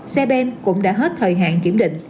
xe bên cũng đã hết thời hạn kiểm định